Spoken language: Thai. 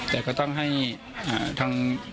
แต่ก็ต้องให้ทาง